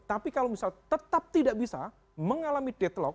tapi kalau misal tetap tidak bisa mengalami deadlock